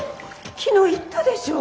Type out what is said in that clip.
昨日言ったでしょ？